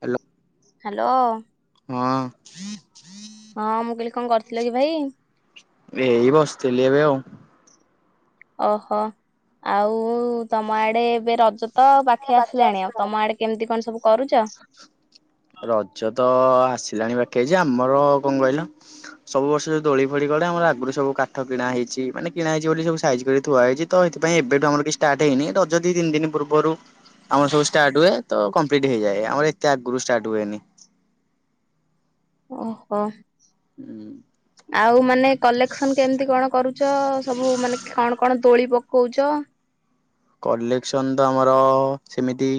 Hello. Hello. ହଁ। ହଁ ମୁଁ କହିଲି କଣ କରୁଥିଲ କି ଭାଇ। ଏଇ ବସିଥିଲି ଏବେ ଆଉ। ଓହୋ ଆଉ ତମ ଆଡେ ଏବେ ରଜ ତ ପାଖେଇ ଆସିଲାଣି ଆଉ ତମ ଆଡେ କେମିତି କଣ ସବୁ କରୁଚ। ରଜ ତ ଆସିଲାଣି ପାଖେଇ ଯେ ଆମର କଣ କହିଲ ସବୁ ବର୍ଷ ଯୋଉ ଦୋଳି ଫୋଳି ପଡ଼େ ଗଲେ ଆମର ଆଗରୁ ସବୁ କାଠ କିଣା ହେଇଛି ମାନେ କିଣା ହେଇଛି ବୋଲି ସବୁ ସାଇଜି କରି ଥୁଆ ହେଇଛି। ତ ଏଥିପାଇଁ ଏବେଠୁ ଆମର କିଛି ଷ୍ଟାର୍ଟ ହେଇନି ରଜ ଦିତିନି ଦିନ ପୂର୍ବରୁ ଆମର ସବୁ ଷ୍ଟାର୍ଟ ହୁଏ ତ କଂପ୍ଲିଟ୍ ଟି ହେଇଯାଏ ଆମର ଏତେ ଆଗୁରୁ ଷ୍ଟାର୍ଟ ହୁଏନି। ଓହୋ। ହୁଁ। ଆଉ ମାନେ କଲେକ୍ସନ କେମିତି କଣ କରୁଚ, ସବୁ ମାନେ କଣ କଣ ତୋଳି ପକଉଚ? କଲେକ୍ସନ ତ ଆମର ସେମିତି।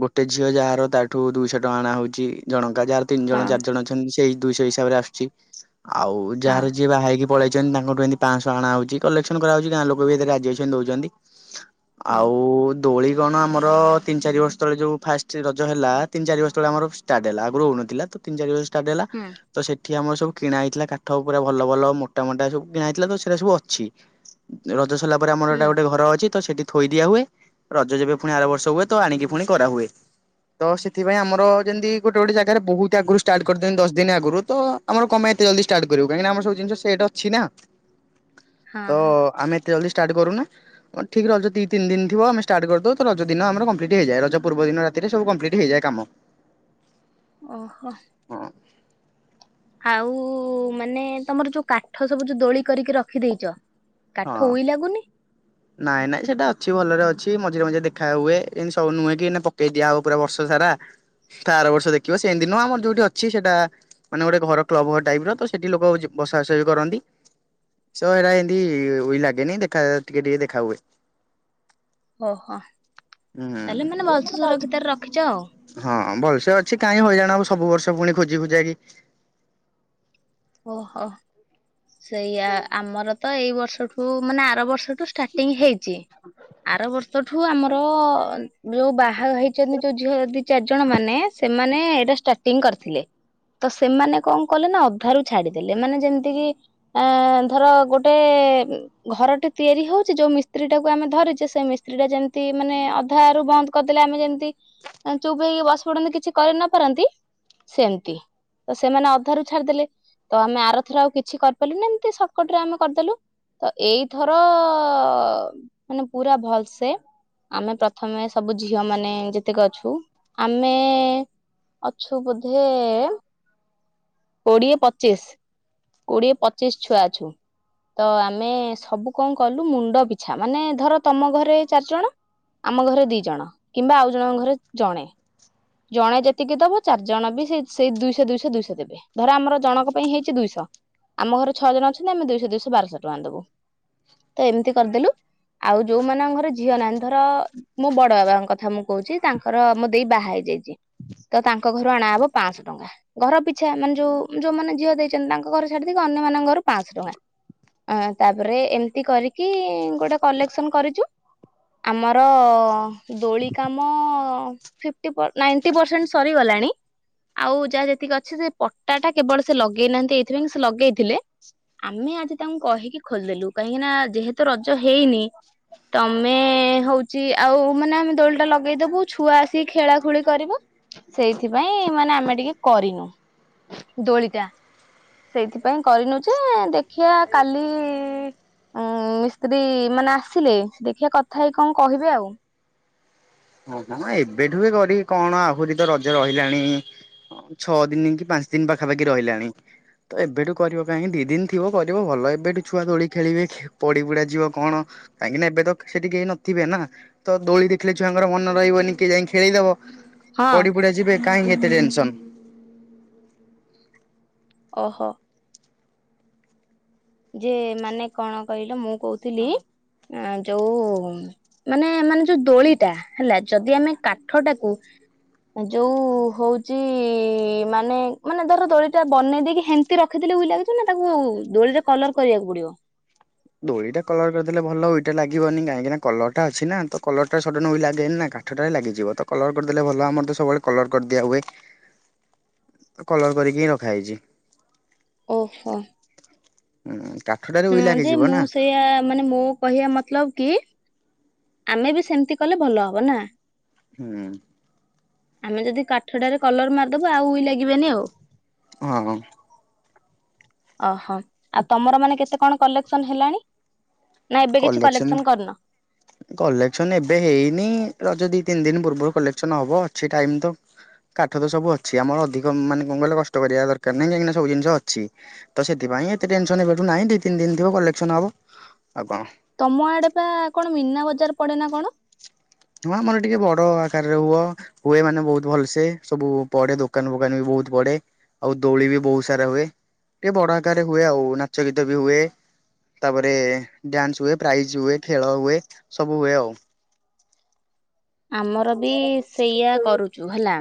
ଗୋଟେ ଝିଅ ଯାହାର ତାଠୁ ଦୁଇଶହ ଟଙ୍କା ଆଣା ହଉଚି, ଜଣଙ୍କା ଯାହାର। ତିନି ଜଣ, ହଁ ଚାରି ଜଣ ଅଛନ୍ତି ସେଇ ଦୁଇଶହ ହିସାବରେ ଆସୁଚି। ଆଉ ହଁ ଯାହାର ଯିଏ ବାହା ହେଇକି। ପଳେଇଚନ୍ତି ତାଙ୍କଠୁ ଏମିତି ପାଞ୍ଚଶହ ଆଣା ହଉଚି, କଲେକ୍ସନ କରାହଉଚି ଗାଁ ଲୋକ ବି ଏଥିରେ ରାଜିଅଛନ୍ତି ଦଉଚନ୍ତି। ହଁ ଆଉ। ଦୋଳି କଣ ଆମର ତିନି, ଚାରି ବର୍ଷ ତଳେ ଯୋଉ ଫାଷ୍ଟ ରଜ ହେଲା ତିନି, ଚାରି ବର୍ଷ ତଳେ ଆମର ଷ୍ଟାର୍ଟ ହେଲା ଆଗୁରୁ ହଉନଥିଲା ତ। ତିନ, ଚାରି ବର୍ଷ ଷ୍ଟାର୍ଟ ହେଲା। ହୁଁ ତ ସେଠି ଆମର ସବୁ କିଣା ହେଇଥିଲା କାଠ ପୁରା ଭଲ ଭଲ ମୋଟା ମୋଟା ସବୁ କିଣା ହେଇଥିଲା ତ ସେଇରା ସବୁ ଅଛି। ରଜ ସରିଲା ପରେ ଆମର ହୁଁ ହେଟା ଗୋଟେ ଘର ଅଛି ତ ସେଠି। ଥୋଇ ଦିଆ ହୁଏ, ରଜ ଯେବେ ପୁଣି ଆର ବର୍ଷ ହୁଏ ତ ଆଣିକି ପୁଣି କରାହୁଏ। ତ ସେଥିପାଇଁ ଆମର ଯେମିତି ଗୋଟେ ଗୋଟେ ଜାଗାରେ ବହୁତ ଆଗରୁ ଷ୍ଟାର୍ଟ କରିଦିଅନ୍ତି ଦଶ ଦିନ ଆଗୁରୁ ତ। ଆମର କଣ ପାଇଁ ଏତେ ଜଲଦି ଷ୍ଟାର୍ଟ କରିବୁ କାହିଁକିନା ଆମ ସବୁ ଜିନିଷ ସେଟ୍ ଅଛି ନା। ତ ହଁ ହଁ। ଆମେ ଏତେ ଜଲଦି ଷ୍ଟାର୍ଟ କରୁନା ଠିକ ରଜ। ଦି, ତିନି ଦିନ ଥିବ ଆମେ ଷ୍ଟାର୍ଟ କରିଦଉ ତ ରଜ ଦିନ ଆମର କଂପ୍ଲିଟ ହେଇଯାଏ। ରଜ ପୂର୍ବ ଦିନ ରାତିରେ ସବୁ କଂପ୍ଲିଟ ହେଇଯାଏ କାମ। ଓହୋ। ହଁ। ଆଉ, ମାନେ ତମର ଯୋଉ କାଠ ସବୁ ଯୋଉ ଦୋଳି କରିକି ରଖିଦେଇଚ? ହଁ। କାଠ ଉଇ ଲାଗୁନି? ନାଇଁ ନାଇଁ, ସେଇଟା ଅଛି ଭଲରେ ଅଛି ମଝିରେ ମଝିରେ ଦେଖା ହୁଏ। ଏମତି ସବୁ ନୁହେଁ କି। ଦିଆହବ ପୁରା ବର୍ଷ ସାରା, ତା ଆର ବର୍ଷ ଦେଖିବ ସେମିତି ନୁହେଁ ଆମର ଯୋଉଠି ଅଛି ସେଇଟା। ମାନେ ଗୋଟେ ଘର କ୍ଲବ ଘର ଟାଇପର ତ ସେଠି ଲୋକ ବସାଶୁଆ ବି କରନ୍ତି। ତ ସେଇରା ଏମିତି। ଉଇ ଲାଗେନି ଦେଖା ଟିକେ ଟିକେ ଦେଖା ହୁଏ। ଓହୋ, ହୁଁ ତାହେଲେ ମାନେ ଭଲସେ ସୁରକ୍ଷିତରେ ରଖିଚ ଆଉ। ହଁ, ଭଲସେ ଅଛି କାଇଁ ହଇରାଣ ହବୁ ସବୁ ବର୍ଷ ପୁଣି ଖୋଜିବୁ ଯାଇଁକି। ଓହୋ, ସେଇଆ ଆମର ତ ଏଇ ବର୍ଷଠୁ ମାନେ। ଆର ବର୍ଷଠୁ ଷ୍ଟାର୍ଟିଂ ହେଇଚି ଆର ବର୍ଷଠୁ ଆମର। ଯୋଉ ବାହା ହେଇଚନ୍ତି ଯୋଉ ଝିଅ ଦି, ଚାରି ଜଣ ମାନେ ସେମାନେ ଏଇଟା ଷ୍ଟାର୍ଟିଂ କରିଥିଲେ। ତ ସେମାନେ କଣ କଲେ ନା ଅଧା ରୁ ଛାଡିଦେଲେ ମାନେ ଯେମିତିକି। ଆ ଧର ଗୋଟେ। ଘରଟେ ତିଆରି ହଉଚି ଯୋଉ ମିସ୍ତ୍ରୀ ଟାକୁ ଆମେ ଧରିଚୁ ସେ ମିସ୍ତ୍ରୀ ଟା ଯେମିତି ମାନେ ଅଧାରୁ ବନ୍ଦ। କରିଦେଲେ ଆମେ ଯେମିତି ଚୁପ ହେଇକି ବସି ପଡନ୍ତି କିଛି କରି ନ ପାରନ୍ତି। ସେମତି ତ ସେମାନେ ଅଧାରୁ ଛାଡିଦେଲେ। ତ ଆମେ ଆର ଥର ଆଉ କିଛି କରିପାରିଲୁନି ଏମିତି ସର୍ଟକଟ ରେ ଆମେ କରିଦେଲୁ। ତ ଏଇଥର ମାନେ ପୁରା ଭଲସେ। ଆମେ ପ୍ରଥମେ ସବୁ ଝିଅ ମାନେ ଯେତିକି ଅଛୁ। ଆମେ। ଅଛୁ ବୋଧେ। କୋଡିଏ, ପଚିଶ। କୋଡିଏ, ପଚିଶ ଛୁଆ ଅଛୁ। ତ ଆମେ ସବୁ କଣ କଲୁ ମୁଣ୍ଡ ପିଛା ମାନେ ଧର ତମ ଘରେ ଚାରିଜଣ। ଆମ ଘରେ ଦି ଜଣ କିମ୍ବା ଆଉ ଜଣଙ୍କ ଘରେ ଜଣେ। ଜଣେ ଯେତିକି ଦବ ଚାରି ଜଣ ବି ସେଇ ଦୁଇଶହ, ଦୁଇଶହ, ଦୁଇଶହ ଦେବେ। ଧର ଆମର ଜଣଙ୍କ ପାଇଁ ହେଇଚି ଦୁଇଶହ, ଆମ ଘରେ ଛଅ ଜଣ ଅଛନ୍ତି ଆମେ ଦୁଇଶହ ଦୁଇଶହ ବାରଶହ ଟଙ୍କା ଦବୁ। ତ ଏମିତି କରିଦେଲୁ, ଆଉ ଯୋଉମାନଙ୍କ ଘରେ ଝିଅ ନାହିଁ ଧର। ମୋ ବଡ ବାବାଙ୍କ କଥା ମୁଁ କହୁଛି ତାଙ୍କର ମୋ ଦେଇ ବାହା ହେଇ ଛି ତ ତାଙ୍କ ଘରୁ ଅଣାହବ ପାଁ ଶହ ଟଙ୍କା। ଘର ପିଛା ମାନେ ଯୋଉ ଯୋଉମାନେେ ଝିଅ ଦେଇଛନ୍ତି ତାଙ୍କ ଘର ଛାଡି ଦେଇକି ଅନ୍ୟମାନାନଙ୍କ ଘରୁ ପାଁଶହ ଟଙ୍କା। ଅ ତାପରେ ଏମିତି କରିକି ଗୋଟେ କଲେକ୍ସନ୍ କରିଛୁ ଆମର ଦୋଳି କାମ ନାଣ୍ଟି ନାଇଣ୍ଟି ପରସେଣ୍ଟେ ସରିଗଲାଣି ଆଉ ଯାହା ଯେତିକି ଅଛି ସେ ପଟା ଟା କେବଳ ସେ ଲଗେଇନାହାନ୍ତି ଏଇଥିପାଇଁ ସେ ଲଗେଇଥିଲେ ଆମେ ଆଜି ତାଙ୍କୁ କହିକି ଖୋଲିଦେଲୁ କାହିଁକି ନା ଯେହେତୁ ରଜ ହେଇନି ତମେ ହଉଛି ଆଉ ମାନେ ଆମେ ଦୋଳି ଟା ଲଗେଇଦବୁ ଛୁଆ ଆସି ଖେଳା ଖୁଳି କରିବ ସେଇଥିପାଇଁ ମାନେ ଆମେ ଟିକେ କରିନୁ ଦୋଳିଟା। ସେଇଥିପାଇଁ କରିନୁ ଯେ ଦେଖିଆ କାଲି ଉଁ ମିସ୍ତ୍ରୀ ମାନେ ଆସିଲେ ଦେଖିଆ କଥା ହେଇ କଣ କହିବେ ଆଉ। ହଁ ଏବେଠୁ ବି କରିକି କଣ ଆହୁରି ତ ରଜ ରହିଲାଣି ଛଅ ଦିନି କି ପାଞ୍ଚ ଦିନି ପାଖାପାଖି ରହିଲାଣି। ତ ଏବେଠୁ କରିବ କାହିଁକି ଦି ଦିନି ଥିବ କରିବ ଭଲ ଏବେଠୁ ଛୁଆ ଦୋଳି ଖେଳିବେ ପଡି ପୁଡା ଯିବ କଣ କାହିଁକି ନା ଏବେ ତ ସେଠି କେହି ନଥିବେ ନା ତ ଦୋଳି ଦେଖିଲେ ଛୁଆଙ୍କର ମନେ ରହିବନିଏ କିଏ ଯାଇ ଖେଳିଦବ। ହଁ। ପଡି ପୁଡା ଯିବେ କାହିଁକି ଏତେ ଟେନ୍ସନ୍। ଓହୋ। ଯେ ମାନେ କଣ କହିଲ ମୁଁ କହୁଥିଲି ଯୋଉ ମାନେ ମାନେ ଯୋଉ ଦୋଳିଟା ହେଲା ଯଦି ଆମେ କାଠ ଟାକୁ ଯୋଉ ହଉଛି ମାନେ ମାନେ ଧର ଦୋଳିଟା ବନେଇ ଦେଇକି ହେ ମିତି ରଖିଦେଲେ ଉଇ ଲାଗିଛ ନା ତାକୁ ଦୋଳିରେ କଲର କରିବାକୁ ପଡିବ? ଦୋଳିଟା କଲର କରିଦେଲେ ଭଲ ଉଇଟା ଲାଗିବନି କାହିଁକିନା କଲରଟା ଅଛି ନା ତ କଲରଟା ସଡନ୍ ଉଇ ଲାଗେନି ନା କା ଠଟାରେ ଲାଗିଯିବ ତ କଲର୍ କରିଦେଲେ ଭଲ ଆମର ତ ସବୁବେଳେ କଲର୍ କରିଦିଆହୁୁଏ। ହ [unintelligible] କଲର କରିକି ହିଁ ରଖା ହେେଇଛି। ଓହୋ। ହୁଁ କାଠଟା ହଁ ଯେ ମୁଁ ସେଇଆା ମାନେ ମୋ କହିଆ ମତଲବ୍ କି ଆମେ ବି ସେମିତି କଲେ ଭଲ ହବ ନା। ହୁଁ। ଆମେ ଯଦି କାଠଟାରେ କଲର୍ ମାରିଦବୁ ଆଉ ଉଇ ଲାଗିବାନି ଆଉ। ହଁ ହଁ। ଓହୋ ଆଉ ତମର ମାନେ କେତେ କଣ କଲେକ୍ସନ୍ ହେଲାଣି ନା ଏବେ କିଛି କଲେକ୍ସନ୍ କରିନି? କଲେକ୍ସନ୍ ଏବେ ହେଇନି ରଜ ଦି ତିନି ଦିନି ପୂର୍ବରୁ କଲେକ୍ସନ୍ ହବ ଅଛି ଟାଇମ ତ। କାଠ ତ ସବୁ ଅଛି ଆମର ଅଧିକ ମାନେ କଣ କହିଲ କଷ୍ଟ କରିବା ଦରକାର ନାହିଁ କାହିଁକିନା ସବୁ ଜିନିଷ ଅଛି। ତ ସେଥିପାଇଁ ଏତେ ଟେନ୍ସନ୍ ଏବେଠୁ ନାହିଁ ଦି ତିନି ଦିନି ଥିବ କଲେକ୍ସନ ହବ ଆଉ କଣ ତମ ଆଡେ ପା କଣ ମୀନା ବଜାର ପଡେ ନା କଣ? ହୁ ଆମର ଟିକେ ବଡ ଆକାରରେ ହୁଅ। ହୁଏ ମାନେ ବହୁତ୍ ଭଲସେ ସବୁ ପଡେ ଦୋକାନ ଫୋକାନ ବି ବହୁତ୍ ପଡେ ଆଉ ଦୋଳି ବି ବହୁତ୍ ସାରା ହୁଏ ଟିକେ ବଡ ଆକାରରେ ହୁଏ ଆଉ ନାଚ ଗୀତ ବି ହୁଏ ତା ପରେ ଡ୍ୟାନ୍ସ ହୁଏ ପ୍ରାଇଜ୍ ହୁଏ ଖେଳ ହୁଏ ସବୁ ହୁଏ ଆଉ। ଆମର ବି ସେଇୟଆ କରୁଛୁ ହେଲା।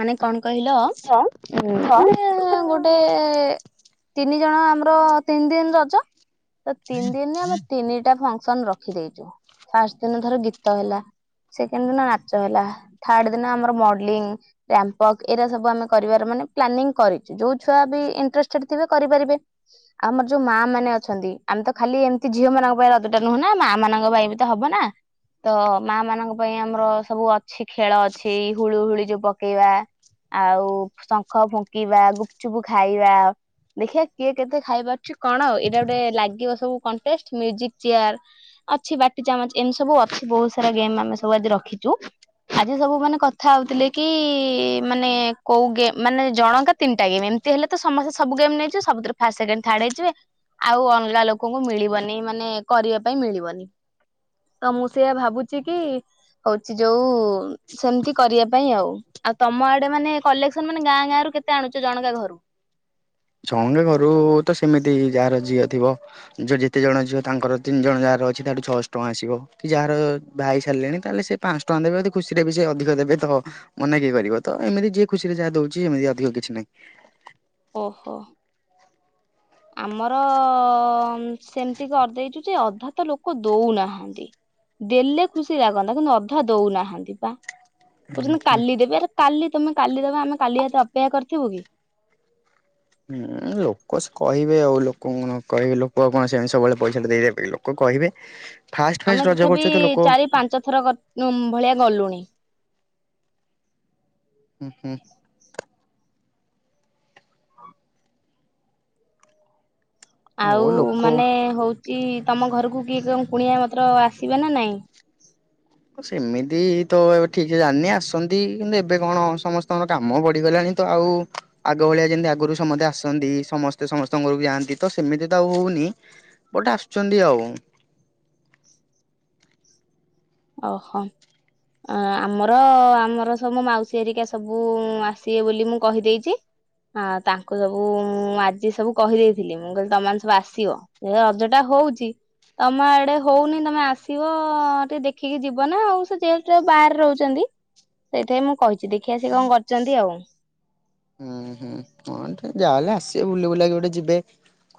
ମାନେ କଣ କହିଲ କଣ ଗୋଟେ ତିନି ଜଣ ଆମର ତିନି ଦିନି ରଜ। ତ ତିନି ଦିନରେ ଆମେ ତିନିଟା ଫାକ୍ସନ ରଖିଦେଇଛୁ ଫାଷ୍ଟ ଦିନ ଧର ଗୀତ ହେଲା। ସେକେଣ୍ଡ ଦିନ ନାଚ ହେଲା ଥାର୍ଡ ଦିନ ଆମର ମଡଲିଂ। ୟକପ୍ ଏରା ସବୁ ଆମେ କରିବାର ମାନେ ପ୍ଲାନିଂ କରିଛୁ ଯୋଉ ଛୁଆ ବି ଇଣ୍ଟଷ୍ଟେଡ ଥିବେ କରିପାରିବେ। ଆମର ଯୋଉ ମା ମାନେ ଅଛନ୍ତି ଆମେ ତ ଖାଲି ଏମିତି ଝିଅ ମାନଙ୍କ ପାଇଁ ରଜଟା ନୁହଁ ନା ମା ମାନଙ୍କ ପାଇଁ ବି ତ ହବ ନା? ତ ମା ମାନଙ୍କ ପାଇଁ ଆମର ସବୁ ଅଛି ଖେଳ ଅଛି ହୁଳୁ ହୁଳି ଯୋଉ ପକେଇବା। ଆଉ ଶଙ୍ଖ ଫୁଙ୍କିବା ଗୁପୁଚୁପୁ ଖାଇବା। ଦେଖିଆ କିଏ କେତେ ଖାଇପାରୁଚଛି କଣ ଆଉ ଏଇଟା ଗୋଟେ ଲାଗିବ ସବୁ କଣ୍ଟେଷ୍ଟିକ ମେଉଜିକ ଚେୟାର। ଅଛି ବାଟି ଚାମଚ ଏମତି ସବୁ ଅଛି ବହୁତ ସାରା ଗେମ୍ ଆମେ ସବୁ ଆଜି ରଖିଛୁ। ଆଜି ସବୁ ମାନେ କଥା ହଉଥିଲେ କି ମାନେ କୋଉ ଗେମ୍ ମାନେ ଜଣଙ୍କା ତିନିଟା ଗେମ୍ ଏମିତି ହେଲେ ତ ସମସ୍ତେ ସବୁ ଗେମ୍ ନେଛ ସବୁଥିରେ ଫା ସେକେଣ୍ଡ ଥାର୍ଡ଼ ହେଇଯିବେ ଆଉ ଅଲଗା ଲୋକଙ୍କୁ ମିଳିବନି ମାନେ କରିବା ପାଇଁ ମିଳିବନି। ତ ମୁଁ ସେଆ ଭାବୁଛି କି ହଉଛି ଯୋଉ ସେମିତି କରିବା ପାଇଁ ଆଉ ଆଉ ତମ ଆଡେ ମାନେ କଲେକ୍ସନ ମାନେ ଗାଁ ଗାଁ ରୁ କେତେ ଆଣୁଛ ଜଣଙ୍କା ଘରୁ? ଘରୁ ତ ସେମିତି ଯାହାର ଝିଅ ଥିବ। ଯୋଉ ଯେତେ ଜଣ ଝିଅ ତାଙ୍କର ତିନି ଜଣ ଯାହାର ଅଛି ତାଠୁ ଛଅଶହ ଟଙ୍କା ଆସିବ। କି ଯାହାର ବାହା ହେଇ ସାରିଲେଣି ତାହେଲେ ସେ ପାଞ୍ଚ ଟଙ୍କା ଦେବେ ଖୁସିରେ ବି ସେ ଅଧିକ ଦେବେ ତ। ମନା କିଏ କରିବ ତ ଏମିତି ଯିଏ ଖୁସି ରେ ଯାହା ଦଉଛି ସେମିତି ଅଧିକ କିଛି ନାହିଁ। ଓହୋ। ଆମର ସେମିତି କରିଦେଇଛୁ ଯେ ଅଧା ତ ଲୋକ ଦଉନାହାନ୍ତି। ଦେଲେ ଖୁସି ଲାଗନ୍ତା କିନ୍ତୁ ଅଧା ଦଉନାହାନ୍ତି ବା। କହୁଛନ୍ତି କାଲି ଦେବେ ଆରେ କାଲି ତମେ କାଲି ଦେବ ଆମେ କାଲି ହାତେ ଅପେକ୍ଷା କରିଥିବୁ କି? ହୁଁ ଲୋକ ସେ କହିବେ ଆଉ ଲୋକଣ କହିବେ ଲୋକ ଆଉ କଣ ସେମିତି ସବୁବେଳେ ପଇସା ଟା ଦେଇଦେବେ ପାଇଁ ଲୋକ କହିବେ ଫାଷ୍ଟ ଫାଷ୍ଟ ଆମେ ରଜ ତଥାପି କରୁଛ ତ ଲୋକ ଚାରି ପାଞ୍ଚ ଥର ଭଳିଆ ଗଲୁଣି। ହୁଁ ହୁଁ। ହଉ ଆଉ ଲୋକ ମାନେ ହଉଛି ତମ ଘରକୁ କିଏ କ କୁଣିଆ ମତ୍ର ଆସିବେ ନା ନାଇଁ? ସେମିତି ତ ଏ ଠିକ ଜାଣିନି ଆସନ୍ତି କିନ୍ତୁ ଏବେ କଣ ସମସ୍ତଙ୍କର କାମ ବଢ଼ିଗଲାଣି। ତ ଆଉ ଆଗ ଭଳିଆ ଯେମିତି ଆଗରୁ ସମସ୍ତେ ଆସନ୍ତି ସମସ୍ତେ ସମସ୍ତଙ୍କ ଘରକୁ ଯାଆନ୍ତି ତ ସେମିତି ତ ଆଉ ହଉନି। ବୁଟ ଆସୁଛନ୍ତି ଆଉ। ଓହୋ। ଅ ଆମର ଆମର ସବୁ ମାଉସୀ ଆରିକା ସବୁ ଆସିବେ ବୋଲି ମୁଁ କହିଦେଇଚି। ହଁ ତାଙ୍କୁ ସବୁ ମୁଁ ଆଜି ସବୁ କହିଦେଇଥିଲି ମୁଁ କହିଲି ତମେ ମାନେ ସବୁ ଆସିବ। ଏ ରଜ ଟା ହଉଛି ତମ ଆଡେ ହଉନି ତମେ ଆସିବ ଟିକେ ଦେଖ ଦେଖିକି ଯିବ ନା ଆଉ ସେ ଜେଲ ବାହାରେ ରହୁଛନ୍ତି। ସେଇଥିପାଇଁ ମୁଁ କହିଛି ଦେଖିଆ ସିଏ କଣ କରୁଛନ୍ତି ଆଉ। ହୁଁ ହୁଁ ଯାହାହେଲେ ଆସିବେ ବୁଲି ବୁଲାକି ଗୋଟେ ଯିବେ।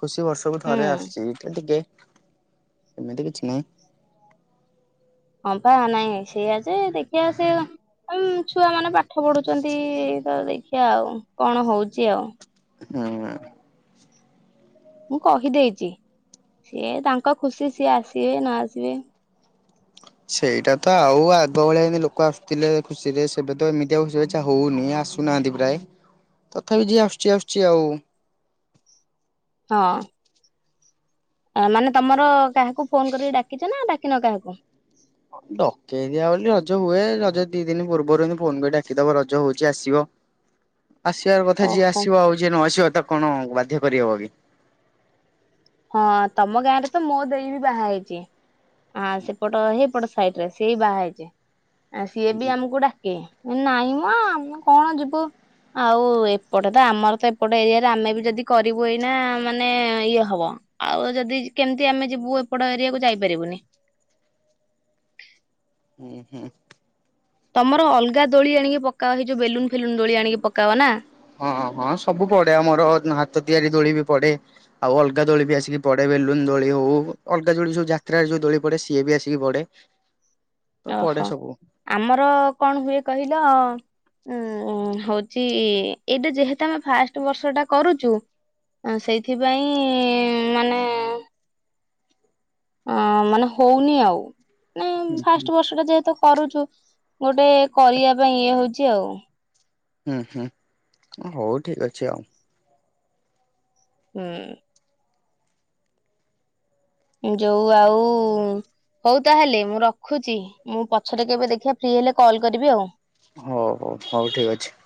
ଖୁସି ବର୍ଷକୁ ଥରେ ହୁଁ। ଆସୁଛି ଏ ଟିକେ ଏମିତି କିଛି ନାହିଁ। ହଁ ପା ନାଇଁ ସେୟା ଯେ ଦେଖିବା ସେ ଆମ ଛୁଆ ମାନେ ପାଠ ପଢୁଛନ୍ତି ତ ଦେଖିବା ଆଉ କଣ ହଉଛି ଆଉ। ହୁଁ ହୁଁ। ମୁଁ କହିଦେଇଛି ସିଏ ତାଙ୍କ ଖୁସି ସିଏ ଆସିବେ ନ ଆସିବେ। ସେଇଟା ତ ଆଉ ଆଦ ଭଳିଆମିତି ଲୋକ ଆସୁଥିଲେ ଖୁସିରେ ସେବେ ତ ଏମିତିଆ ଖଛ ହଉନି ଆସ ଆସୁନାହାନ୍ତି ପ୍ରାୟ ତଥାପି ଯିଏ ଆସୁଛି ଆସୁଛି ଆଉ। ହଁ। ମାନେ ତମର କାହାକୁ ଫୋନ କରିକି ଡ଼ାକିଛ ନା ଡ଼ାକିନ କାହାକୁ? ଡକେଇ ଦିଆ ବୋଲି ରଜ ହୁଏ ରଜ ଦି ଦିନ ପୂର୍ବରୁ ଏମିତି ଫୋନ କରି ଡାକିଦବ ରଜ ହଉଛି ଆସିବ। ଆସିବା କଥା ଯିଏ ଓହୋ। ଆସିବ ଆଉ ଯିଏ ନ ଆସିବ ତାକୁ କଣ ବାଧ୍ୟ କରିହବ କି। ହଁ ତମ ଗାଁ ରେ ତ ମୋ ଦେଇ ବି ବାହା ହେଇଛି। ଆ ସେପଟ ହେଇପଟ ସାଇଡ୍ ରେ ସେଇ ବାହା ହେଇଛି ଆ ସିଏ ବି ଆମକୁ ଡାକେ ନାଇଁ ମୋ ଆମେ କଣ ଯିବୁ। ଆଉ ଏପଟେ ତ ଆମର ତ ଏପଟ ଏରିଆରେ ଆମେ ବି ଯଦି କରିବୁ ଏଇନା ମାନେ ଇଏ ହବ। ଆଉ ଯଦି ଯେ କେମିତି ଆମେ ଯିବୁ ଏପଟ ଏରିଆକୁୁ ଯାଇପାରିବୁନି। ଉଁ ହୁଁ। ତମର ଅଲଗା ଦୋଳି ଆଣିକି ପକା ଏଇ ଯୋଉ ବେଲୁନ୍ ଫେଲୁନ୍ ଦୋଳି ଆଣିକି ପକାଅ ନା? ହଁ ହଁ ହଁ ସବୁ ପଡେ ଆମର ହାତ ତିଆରି ଦୋଳି ବି ପଡେ। ଆଉ ଅଲଗା ଦୋଳି ବି ଆସିକି ପଡ଼େ ବେଲୁନ ଦୋଳି ହଉ ଅଲଗା ଦୋଳି ଯେଉ ଯାତ୍ରାରେ ଯୋଉ ଦୋଳି ପଡ଼େ ସିଏ ବି ଆସିକି ପଡ଼େ। ଓହୋ ଆମର କଣ ହୁଏ କହିଲ ଉଁ ହଉଛି ଏଇଟା ଯେହେତୁ ଆମେ ଫାଷ୍ଟ ବର୍ଷଟା କରୁଛୁ ସେଇଥିପାଇଁ ମାନେ ଅ ମାନେ ହଉନି ଆଉ ମାନେ ଫାଷ୍ଟ ବର୍ଷ ଟା ଯେହେତୁ କରୁଛୁ ଗୋଟେ କରିବା ପାଇଁ ଇଏ ହଉଛି ଆଉ। ହୁଁ ହୁଁ ହଉ ଠିକ୍ ଅଛି ଆଉ। ହୁଁ। ଯୋଉ ଆଉ ହଉ ତାହେଲେ ମୁଁ ରଖୁଛି ମୁଁ ପଛଟେ କେବେ ଦେଖିବା ଫ୍ରି ହେଲେ କଲ୍ କରିବି ଆଉ। ହଉ ହଉ ହଉ ଠିକ୍ ଅଛି।